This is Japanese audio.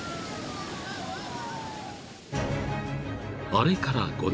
［あれから５年］